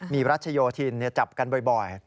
มีรัชโยธินจับกันบ่อย